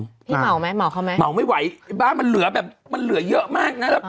พี่เหมาไหมเหมาเขาไหมเหมาไม่ไหวไอ้บ้านมันเหลือแบบมันเหลือเยอะมากนะ